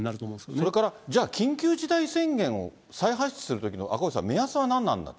それから、じゃあ緊急事態宣言を再発出するというのは、赤星さん、目安は何なんだと。